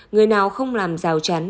người nào không làm rào chắn